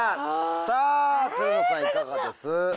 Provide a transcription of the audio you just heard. さあつるのさんいかがです？